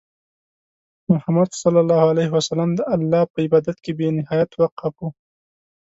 محمد صلى الله عليه وسلم د الله په عبادت کې بې نهایت وقف وو.